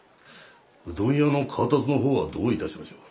うどん屋の河辰のほうはどう致しましょう？